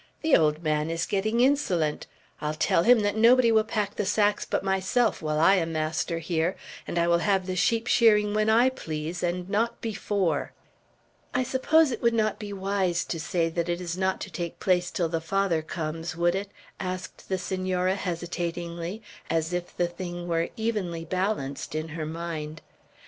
"The old man is getting insolent. I'll tell him that nobody will pack the sacks but myself, while I am master here; and I will have the sheep shearing when I please, and not before." "I suppose it would not be wise to say that it is not to take place till the Father comes, would it?" asked the Senora, hesitatingly, as if the thing were evenly balanced in her mind.